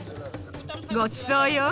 ごちそうよ。